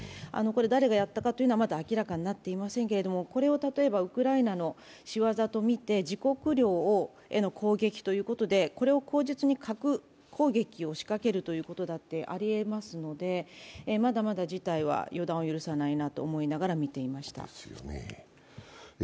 誰がやったかというのは明らかになっていませんけれども、これを例えばウクライナの仕業とみて自国領への攻撃ということでこれを口実に核攻撃を仕掛けるということだってありえますのでまだまだ事態は予断を許さないと思いながら見ていました。